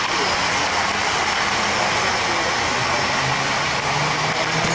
สวัสดีครับ